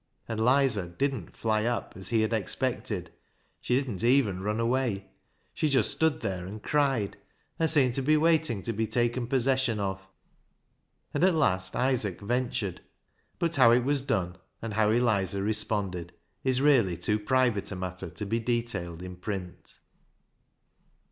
And "Lizer" didn't "fly up," as he had expected ; she didn't even run away. She just stood there and cried, and seemed to be waiting to be taken possession of. And at last Isaac ventured ; but how it was done, and how Eliza responded is really too private a matter to be detailed in print.